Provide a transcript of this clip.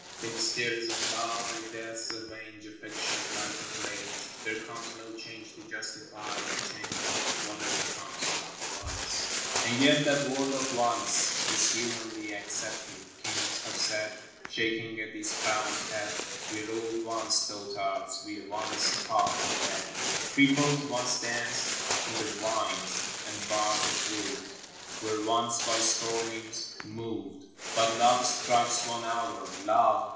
The mysteries of Life and Death ^avenge Affections light of range — There comes no change to justify that change, Whatever comes — loved once / And yet that word of once Is humanly acceptive ! Kings have said, Shaking a discrowned head, "We ruled once;" dotards, "We once taught and led;" Cripples once danced i' the vines ; and bards approved, Were once by scornings moved! But love strikes one hour — Love.